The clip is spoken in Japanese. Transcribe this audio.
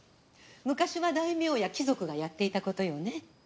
昔は大名や貴族がやっていたことよね。